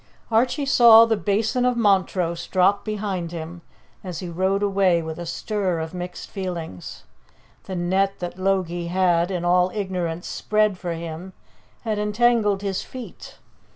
Archie saw the Basin of Montrose drop behind him as he rode away with a stir of mixed feelings. The net that Logie had, in all ignorance, spread for him had entangled his feet.